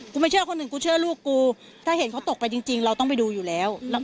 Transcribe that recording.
ไม่เชื่อคนหนึ่งกูเชื่อลูกกูถ้าเห็นเขาตกไปจริงเราต้องไปดูอยู่แล้ว